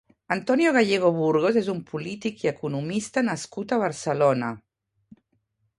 Antonio Gallego Burgos és un polític i economista nascut a Barcelona.